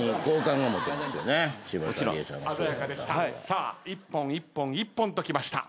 さあ一本一本一本ときました。